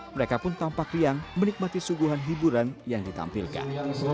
mereka pun tampak riang menikmati suguhan hiburan yang ditampilkan